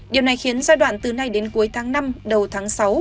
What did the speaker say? điều này khiến giai đoạn từ nay đến cuối tháng năm đầu tháng sáu